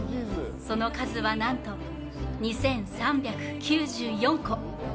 その数は、なんと２３９４個。